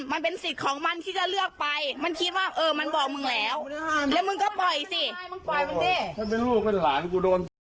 มันเป็นสิทธิ์ของมันที่จะเลือกไป